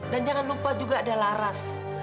dan jangan lupa juga ada laras